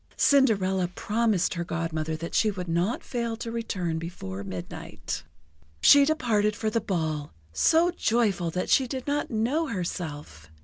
Cinderella promised her Godmother that she would not fail to return before midnight. She departed for the ball, so joyful that she did not know herself.